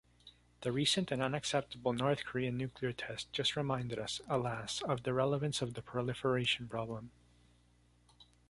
The recent and unacceptable North Korean nuclear test just reminded us, alas, of the relevance of the proliferation problem.